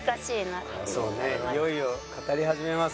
いよいよ語り始めます？